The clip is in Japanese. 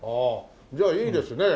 じゃあいいですね。